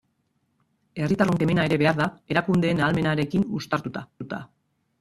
Herritarron kemena ere behar da, erakundeen ahalmenarekin uztartuta.